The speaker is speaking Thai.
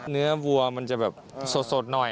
เนื้อวัวมันจะแบบสดหน่อย